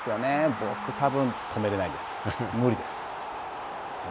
僕、たぶん止めれないです。